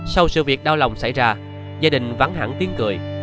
sau sự việc đau lòng xảy ra gia đình vắng hẳn tiếng cười